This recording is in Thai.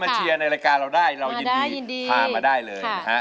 เชียร์ในรายการเราได้เรายินดีพามาได้เลยนะฮะ